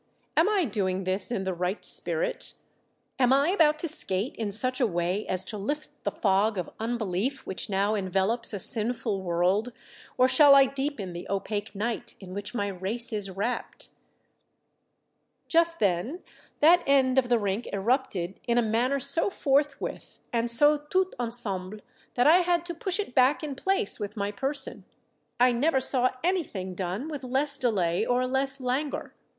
Am I doing this in the right spirit? Am I about to skate in such a way as to lift the fog of unbelief which now envelopes a sinful world, or shall I deepen the opaque night in which my race is wrapped?" Just then that end of the rink erupted in a manner so forthwith and so tout ensemble that I had to push it back in place with my person. I never saw anything done with less delay or less languor.